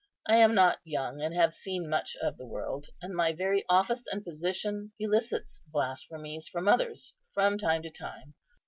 I am not young, and have seen much of the world; and my very office and position elicits blasphemies from others from time to time.